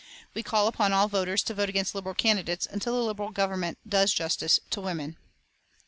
We call upon all voters to vote against Liberal candidates until the Liberal Government does justice to women.